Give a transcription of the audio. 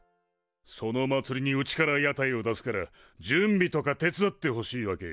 そのまつりにうちから屋台を出すから準備とか手伝ってほしいわけよ。